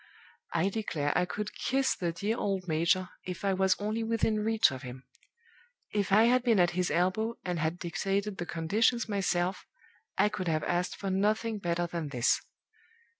"I declare I could kiss the dear old major, if I was only within reach of him! If I had been at his elbow, and had dictated the conditions myself, I could have asked for nothing better than this.